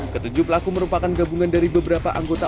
ketujuh pelaku merupakan gabungan dari beberapa anggota